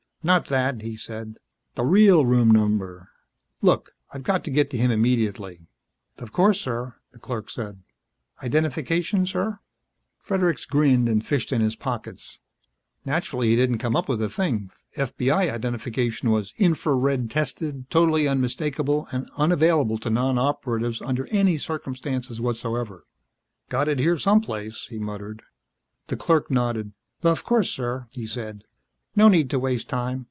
"Not that," he said. "The real room number. Look, I've got to get to him immediately " "Of course, sir," the clerk said. "Identification, sir?" Fredericks grinned and fished in pockets. Naturally, he didn't come up with a thing, FBI identification was infra red tested, totally unmistakable and unavailable to non Operatives under any circumstances whatever. "Got it here some place," he muttered. The clerk nodded. "Of course, sir," he said. "No need to waste time.